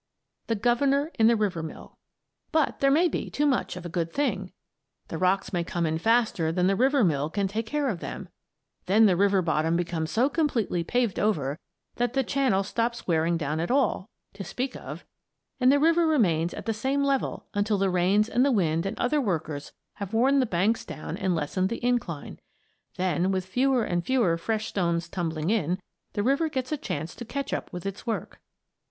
THE GOVERNOR IN THE RIVER MILL But there may be too much of a good thing; the rocks may come in faster than the river mill can take care of them. Then the river bottom becomes so completely paved over that the channel stops wearing down at all, to speak of, and the river remains at the same level until the rains and the wind and other workers have worn the banks down and lessened the incline. Then, with fewer and fewer fresh stones tumbling in, the river gets a chance to catch up with its work.